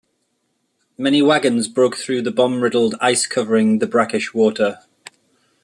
Many wagons broke through the bomb-riddled ice covering the brackish water.